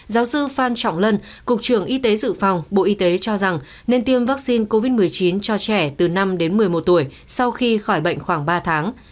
giáo sư phan trọng lân cục trưởng y tế dự phòng bộ y tế cho rằng nên tiêm vaccine covid một mươi chín cho trẻ từ năm đến một mươi một tuổi sau khi khỏi bệnh khoảng ba tháng